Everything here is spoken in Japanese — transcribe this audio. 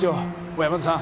小山田さん。